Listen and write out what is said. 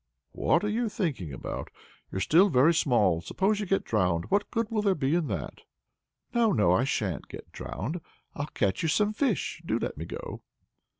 "What are you thinking about! you're still very small; suppose you get drowned, what good will there be in that?" "No, no, I shan't get drowned. I'll catch you some fish; do let me go!"